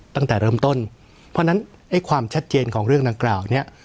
ตั้งแต่เริ่มต้นเพราะฉะนั้นไอ้ความชัดเจนของเรื่องดังกล่าวเนี่ย